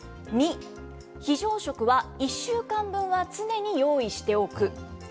２、非常食は１週間分は常に用意しておく。